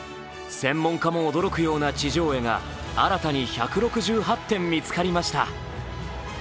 専門家も驚くような地上絵が新たに１６８点見つかりました。